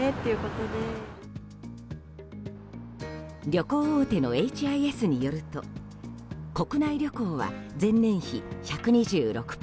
旅行大手のＨＩＳによると国内旅行は前年比１２６％